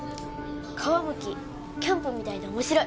皮むきキャンプみたいで面白い